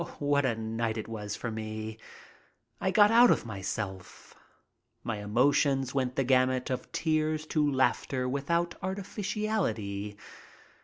What a night it was for me! I got out of myself. My emotions went the gamut of tears to laughter without artificiality.